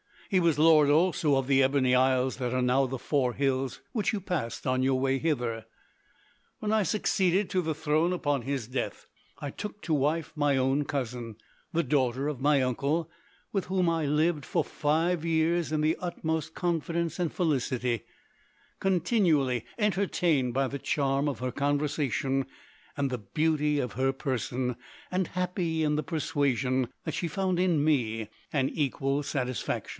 He was lord also of the Ebony Isles that are now the four hills which you passed on your way hither. When I succeeded to the throne upon his death, I took to wife my own cousin, the daughter of my uncle, with whom I lived for five years in the utmost confidence and felicity, continually entertained by the charm of her conversation and the beauty of her person, and happy in the persuasion that she found in me an equal satisfaction.